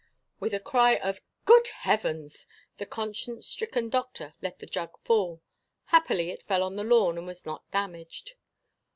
With a cry of "Good Heavens!" the conscience stricken Doctor let the jug fall. Happily it fell on the lawn and was not damaged.